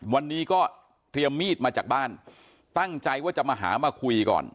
วันนี้ก็เตรียมมีดมาจากบ้านตั้งใจว่าจะมาหามาคุยก่อน